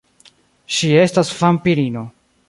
Ŝi estas vampirino.